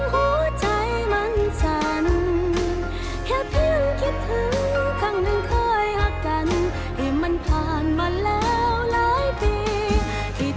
ทามมานางสาวเกาอยู่ข้างเที่ยงที่เคยข้างเคียงกับเธอ